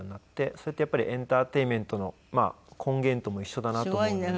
それってやっぱりエンターテインメントの根源とも一緒だなと思うので。